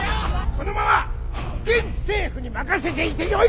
このまま現政府に任せていてよいものでしょうか！